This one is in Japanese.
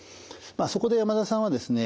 そこで山田さんはですね